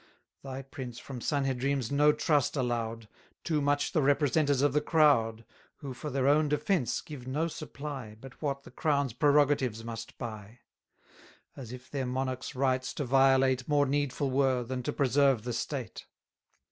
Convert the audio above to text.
Thy prince from Sanhedrims no trust allow'd, Too much the representers of the crowd, Who for their own defence give no supply, But what the crown's prerogatives must buy: As if their monarch's rights to violate More needful were, than to preserve the state!